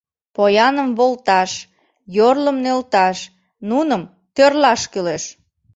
Пояным волташ, йорлым нӧлташ, нуным- тӧрлаш кӱлеш.